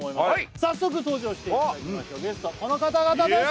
早速登場していただきましょうゲストはこの方々です